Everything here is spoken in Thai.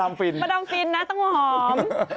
ทุกคนยังดำฟิตต้องหอม